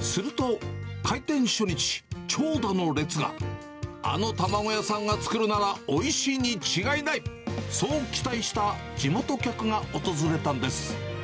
すると、開店初日、長蛇の列が。あの卵屋さんが作るならおいしいに違いない。そう期待した地元客が訪れたんです。